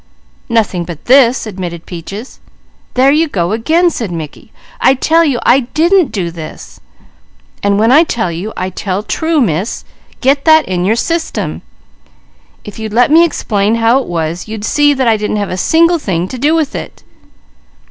"Nothing but this," admitted Peaches. "There you go again!" said Mickey. "I tell you I didn't do this, and when I tell you, I tell true, Miss, get that in your system. If you'd let me explain how it was, you'd see that I didn't have a single thing to do with it."